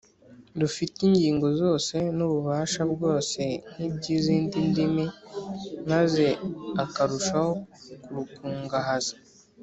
rufite ingingo zose n’ububasha bwose nk’iby’izindi ndimi maze akarushaho kurukungahaza.